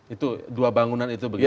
itu dua bangunan itu begitu